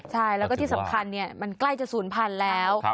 ใช่แล้วก็ที่สำคัญมันใกล้จะศูนย์พันธุ์แล้ว